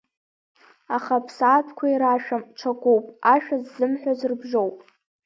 Аха аԥсаатәқәа ирашәам, ҽакуп, ашәа ззымҳәаз рыбжьоуп.